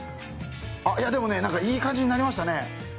あっいやでもね何かいい感じになりましたね。